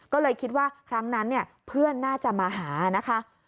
ก็เลยคิดว่าครั้งนั้นเพื่อนน่าจะมาหานะคะ